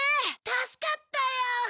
助かったよ。